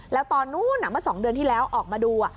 แล้วตอนนู้นเมื่อ๒เดือนที่แล้วออกมาดู